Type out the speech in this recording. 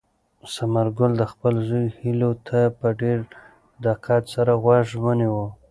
ثمرګل د خپل زوی هیلو ته په ډېر دقت سره غوږ ونیو.